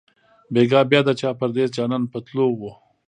بیګا بیا د چا پردېس جانان په تلو وو